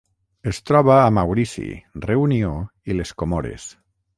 Es troba a Maurici, Reunió i les Comores.